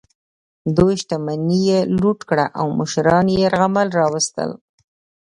دوی شتمني یې لوټ کړه او مشران یې یرغمل راوستل.